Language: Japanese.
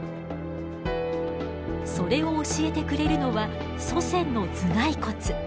それを教えてくれるのは祖先の頭蓋骨。